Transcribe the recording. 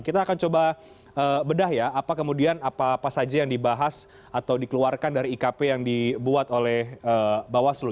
kita akan coba bedah ya apa kemudian apa apa saja yang dibahas atau dikeluarkan dari ikp yang dibuat oleh bawaslu